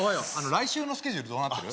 来週のスケジュールってどうなってる？